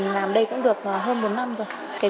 mình làm đây cũng được hơn bốn năm rồi